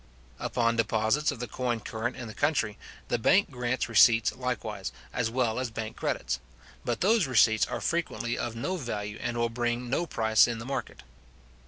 Upon deposits of the coin current in the country, the bank grant receipts likewise, as well as bank credits; but those receipts are frequently of no value and will bring no price in the market.